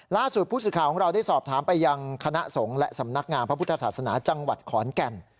ล่าสุดผู้สื่อข่าวของเราได้สอบถามไปยังคณะสงฆ์และสำนักงามพระพุทธศาสนาจังหวัดขอนแก่น